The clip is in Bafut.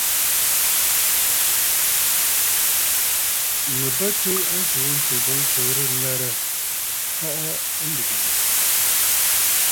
Nɨ bə tswe a ntsǔǹtsù boŋ fɨ̀rɨ̂ŋə̀rə̀ àa kɔʼɔ a ndùgə bù.